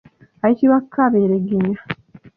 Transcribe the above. Ayitibwa kaberegenya.